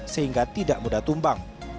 sehingga tidak mudah tumbang